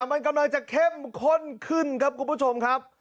มันกำลังจะเข้มข้นขึ้นครับคุณผู้ชมครับ